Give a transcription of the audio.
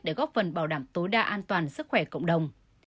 để góp phần bảo đảm tối đa an toàn sức khỏe cộng đồng